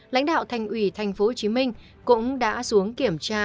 lãnh đạo thành ủy tp hcm cũng đã xuống kiểm tra